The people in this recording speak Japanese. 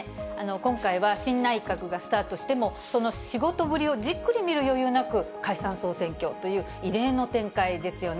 今回は新内閣がスタートしても、その仕事ぶりをじっくり見る余裕なく、解散・総選挙という異例の展開ですよね。